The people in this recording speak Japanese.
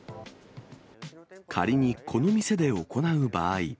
仮にこの店で行う場合。